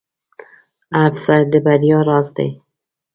هڅه د بريا راز دی.